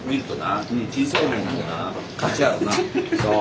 そう。